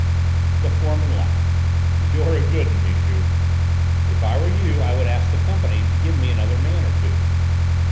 The foreman laughed. "You're a good 'un, Michu! If I were you I would ask the Company to give me another man or two."